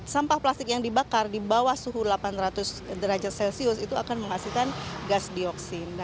sampah plastik yang dibakar di bawah suhu delapan ratus derajat celcius itu akan menghasilkan gas dioksin